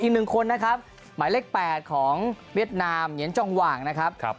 อีกหนึ่งคนนะครับหมายเลข๘ของเวียดนามเหงียนจองหว่างนะครับ